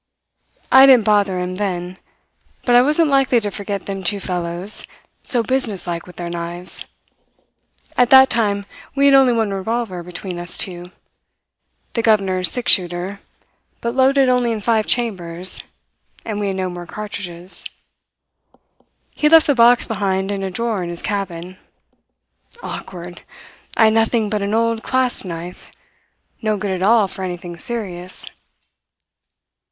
I didn't bother him, then; but I wasn't likely to forget them two fellows, so businesslike with their knives. At that time we had only one revolver between us two the governor's six shooter, but loaded only in five chambers; and we had no more cartridges. He had left the box behind in a drawer in his cabin. Awkward! I had nothing but an old clasp knife no good at all for anything serious.